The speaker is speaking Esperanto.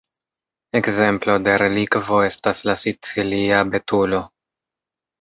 Ekzemplo de relikvo estas la sicilia betulo.